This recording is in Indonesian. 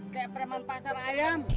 kaya preman pasar ayam